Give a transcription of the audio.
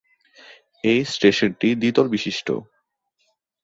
এই স্টেশনটি দ্বিতল বিশিষ্ট।